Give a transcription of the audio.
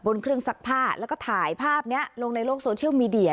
เครื่องซักผ้าแล้วก็ถ่ายภาพนี้ลงในโลกโซเชียลมีเดีย